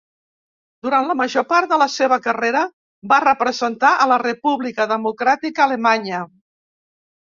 Durant la major part de la seva carrera va representar a la República Democràtica Alemanya.